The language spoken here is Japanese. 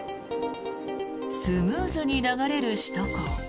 スムーズに流れる首都高。